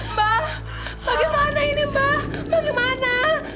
mbak bagaimana ini mbah bagaimana